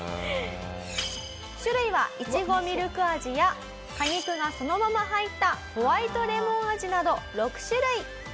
種類は苺ミルク味や果肉がそのまま入ったホワイトレモン味など６種類。